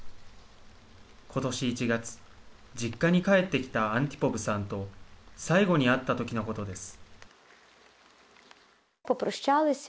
ことし１月実家に帰ってきたアンティポブさんと最後に会ったときのことです。